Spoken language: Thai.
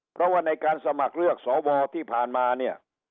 เพราะว่าในการสมัครเลือกสวที่ผ่านมาเนี่ย